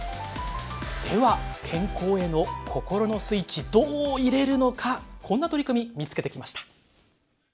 では健康への心のスイッチどう入れるのかこんな取り組み見つけてきました。